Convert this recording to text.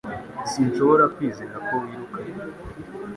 Sinshobora kwizera ko wirukanye